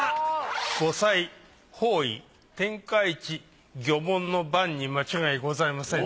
五彩方位天下一魚文盤に間違いございませんね。